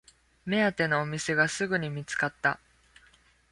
目当てのお店がすぐに見つかった